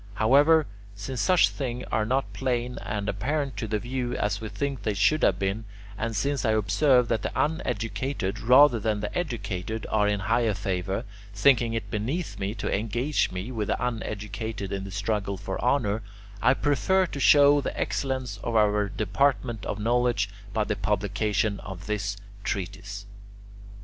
However, since such things are not plain and apparent to the view, as we think they should have been, and since I observe that the uneducated rather than the educated are in higher favour, thinking it beneath me to engage with the uneducated in the struggle for honour, I prefer to show the excellence of our department of knowledge by the publication of this treatise.